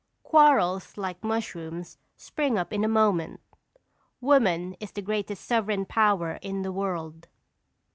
"Quarrels, like mushrooms, spring up in a moment." "Woman is the greatest sovereign power in the world."